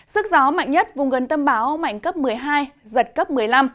sức gió mạnh nhất vùng gần tâm báo mạnh cấp một mươi hai giật cấp một mươi năm